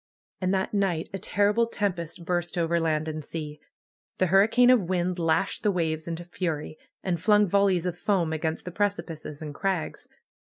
And that night a terrible tempest burst over land and sea. The hurricane of wind lashed the waves into fury, and flung volleys of foam against the precipices and crags.